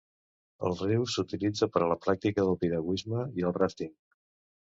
El riu s'utilitza per a la pràctica del piragüisme i el ràfting.